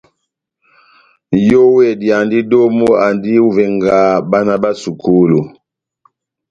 Nʼyówedi andi domu, andi ó ivenga bána bá sukulu.